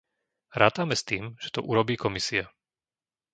Rátame s tým, že to urobí Komisia.